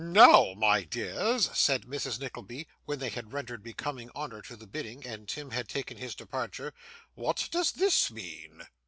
'Now, my dears,' said Mrs. Nickleby, when they had rendered becoming honour to the bidding, and Tim had taken his departure, 'what does THIS mean?